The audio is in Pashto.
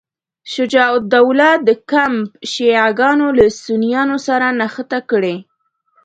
شجاع الدوله د کمپ شیعه ګانو له سنیانو سره نښته کړې.